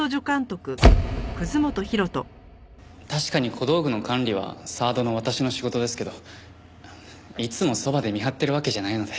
確かに小道具の管理はサードの私の仕事ですけどいつもそばで見張ってるわけじゃないので。